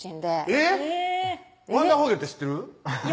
えぇっワンダーフォーゲルって知ってる？